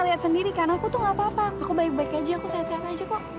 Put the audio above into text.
lihat sendiri karena aku itu gapapa aku baik juga "'kan